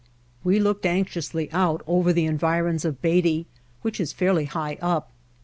We looked anxiously out over the environs of Beatty, which is fairly high up.